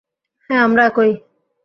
হ্যাঁ, আমরা একই।